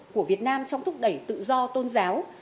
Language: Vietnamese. của việt nam trong thúc đẩy tự do tôn giáo